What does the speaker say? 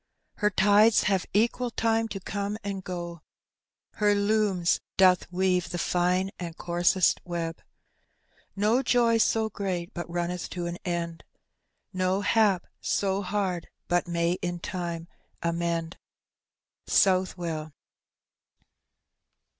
Her tides hare equal time to Dome and go, Her looms doth weave the fine and ooaraest wi No jof so great, bnc nmneth to an end, Vo hBfi in hard bat may in tnu« nmend. Southwell.